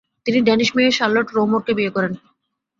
তিনি ড্যানিশ মেয়ে সার্লট রুউমোরকে বিয়ে করেন।